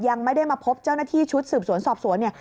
ยังไม่ได้มาพบเจ้าหน้าที่ชุดสืบสวนสอบสวนเนี่ย